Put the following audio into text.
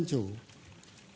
phát huy dân chủ